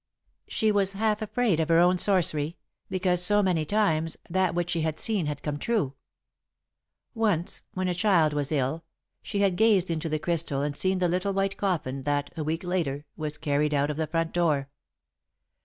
She was half afraid of her own sorcery, because, so many times, that which she had seen had come true. Once, when a child was ill, she had gazed into the crystal and seen the little white coffin that, a week later, was carried out of the front door.